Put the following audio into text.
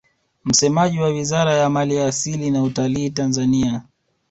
Msemaji wa Wizara ya mali asili na utalii Tanzania